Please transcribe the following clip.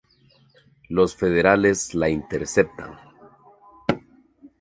Los federales la interceptan.